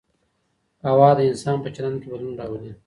هوا د انسان په چلند کي بدلون راولي.